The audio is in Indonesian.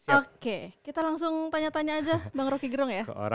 oke kita langsung tanya tanya aja bang roky gerung ya